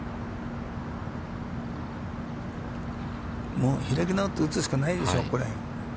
もう開き直って打つしかないでしょう。